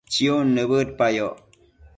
chiun nibëdpayoc